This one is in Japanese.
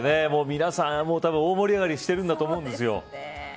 皆さん大盛り上がしてると思うんですよ。